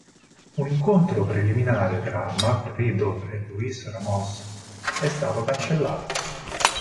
Un incontro preliminare tra Matt Riddle e Luis Ramos è stato cancellato.